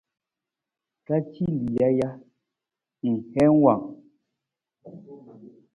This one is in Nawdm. Ra ci lija ja, ng heen wang?